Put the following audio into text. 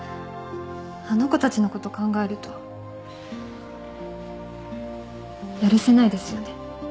あの子たちのこと考えるとやるせないですよね。